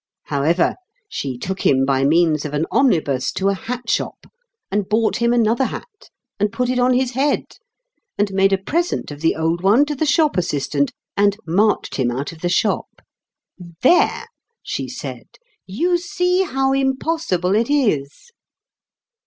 However, she took him by means of an omnibus to a hat shop and bought him another hat and put it on his head, and made a present of the old one to the shop assistant, and marched him out of the shop. "There!" she said, "you see how impossible it is."